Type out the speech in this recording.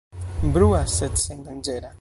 Brua, sed sendanĝera.